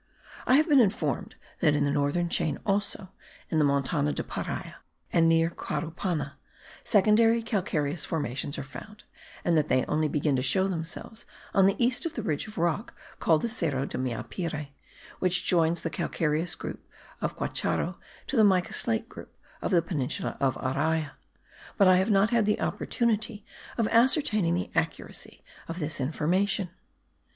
I have been informed that in the northern chain also, in the Montana de Paria, and near Carupana, secondary calcareous formations are found, and that they only begin to show themselves on the east of the ridge of rock called the Cerro de Meapire, which joins the calcareous group of Guacharo to the mica slate group of the peninsula of Araya; but I have not had an opportunity of ascertaining the accuracy of this information.